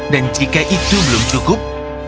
dan jika itu belum cukup